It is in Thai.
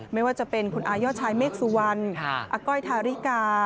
ไม่ว่าจะเป็นคุณอายอดชายเมฆสุวรรณอาก้อยทาริกา